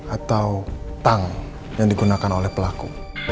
atau tang yang digunakan oleh pelaku